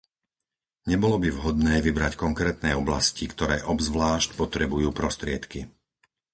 Nebolo by vhodné vybrať konkrétne oblasti, ktoré obzvlášť potrebujú prostriedky.